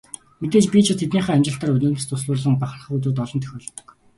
Мэдээж би ч бас тэднийхээ амжилтаар нулимс дуслуулан бахархах өдрүүд олон тохиолддог.